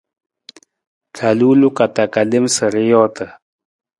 Ra luu loko ta lem sa ra joota.